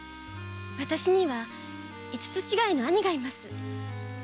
私には五つ違いの兄がいます。